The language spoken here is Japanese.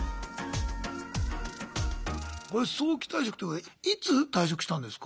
これ早期退職っていうのはいつ退職したんですか？